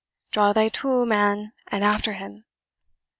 Draw thy tool, man, and after him."